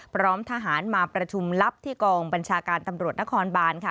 พร้อมทหารมาประชุมลับที่กองบัญชาการตำรวจนครบานค่ะ